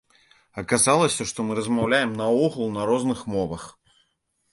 Аказалася, што мы размаўляем наогул на розных мовах.